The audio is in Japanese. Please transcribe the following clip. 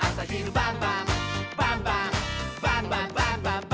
「バンバンバンバンバンバン！」